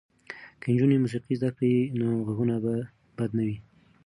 که نجونې موسیقي زده کړي نو غږونه به بد نه وي.